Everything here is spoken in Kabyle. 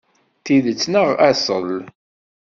D tidet neɣ aṣṣel?